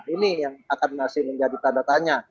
ini yang akan masih menjadi tanda tanya